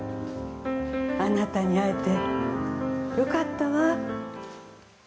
あなたに会えてよかったわ。